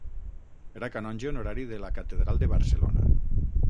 Era canonge honorari de la Catedral de Barcelona.